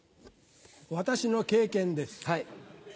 私の経験です。